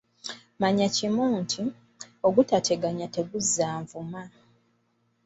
Manya Kimi nti, ogutateganya teguzza nvuma.